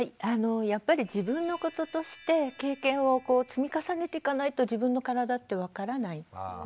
やっぱり自分のこととして経験を積み重ねていかないと自分の体って分からないですよね。